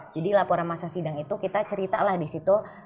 jadi laporan masa sidang itu kita ceritalah di situ